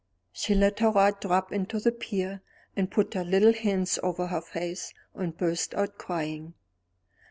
She let her rod drop on the pier, and put her little hands over her face and burst out crying.